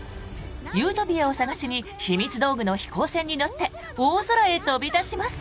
ユートピアを探しにひみつ道具の飛行船に乗って大空へ飛び立ちます。